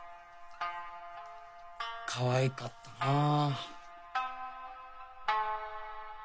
かわいかったなあ。